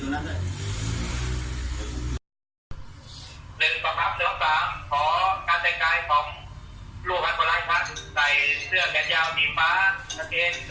๑ต่อครับ๓ขอการแสดงกายของลัวพันธุ์วะลายท่านใส่เสื้อแก๊สยาวดีม้า